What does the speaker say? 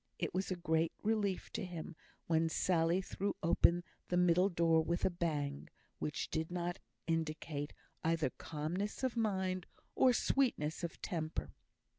It was a great relief to him when Sally threw open the middle door with a bang, which did not indicate either calmness of mind or sweetness of temper.